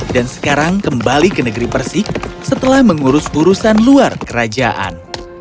sekarang kembali ke negeri persik setelah mengurus urusan luar kerajaan